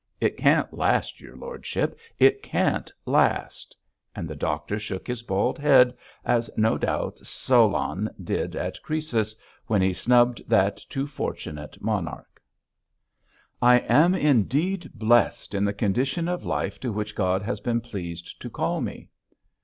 It can't last, your lordship, it can't last,' and the doctor shook his bald head, as no doubt Solon did at Croesus when he snubbed that too fortunate monarch. 'I am indeed blessed in the condition of life to which God has been pleased to call me.'